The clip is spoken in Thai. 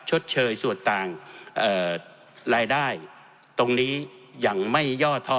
ชดเชยส่วนต่างรายได้ตรงนี้อย่างไม่ย่อท้อ